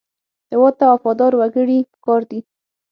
هېواد ته وفادار وګړي پکار دي